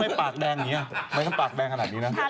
มันไม่ปากแบงเนี่ยมันไม่เป็นปากแบงขนาดนี้นะ